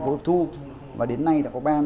phối hợp thu và đến nay đã có